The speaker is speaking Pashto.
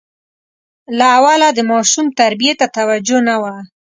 له اوله د ماشوم تربیې ته توجه نه وه.